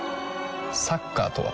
サッカーとは？